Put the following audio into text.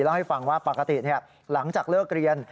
เล่าให้ฟังว่าปกติหลังจากเลิกเรียน